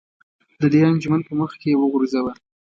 د دې انجمن په مخ کې یې وغورځوه.